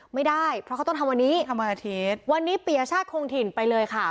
ไม่ได้เพราะเขาต้องทำวันนี้ทำวันอาทิตย์วันนี้ปียชาติคงถิ่นไปเลยค่ะ